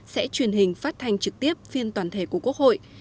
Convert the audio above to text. sẽ truyền hình phát thanh trực tiếp phiên toàn thể của quốc hội